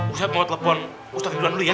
ustadz mau telepon ustadz dulu ya